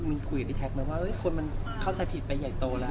มีคุยกับพี่แท็กไหมว่าคนมันเข้าใจผิดไปใหญ่โตแล้ว